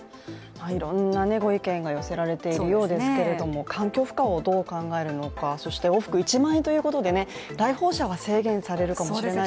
いろんなご意見が寄せられているようですけれども環境負荷をどう考えるのかそして往復１万円ということで来訪者は制限されるかもしれません。